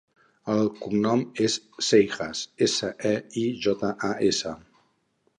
El cognom és Seijas: essa, e, i, jota, a, essa.